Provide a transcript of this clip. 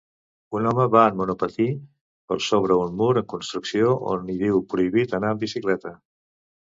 Un home va en monopatí per sobre un mur en construcció on hi diu "Prohibit anar en bicicleta".